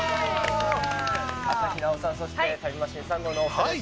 朝日奈央さん、タイムマシーン３号のお２人です。